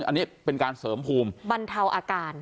อันนี้เป็นการเสริมภูมิบรรเทาอาการ